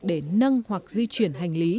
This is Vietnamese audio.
để nâng hoặc di chuyển hành lý